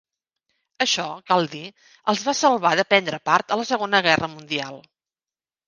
Això, cal dir, els va salvar de prendre part a la Segona Guerra Mundial.